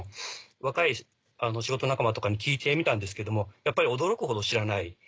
若い仕事仲間とかに聞いてみたんですけどもやっぱり驚くほど知らない。